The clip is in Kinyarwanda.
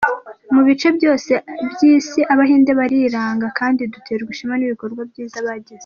Mu bice byose by’Isi Abahinde bariranga kandi duterwa ishema n’ibikorwa byiza bagezeho.